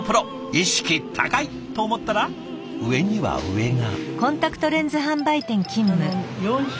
意識高い！と思ったら上には上が。